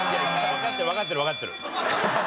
わかってるわかってるわかってる。